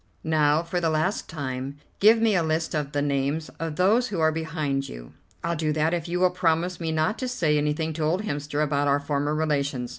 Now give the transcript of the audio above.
Now, for the last time, give me a list of the names of those who are behind you." "I'll do that if you will promise me not to say anything to old Hemster about our former relations."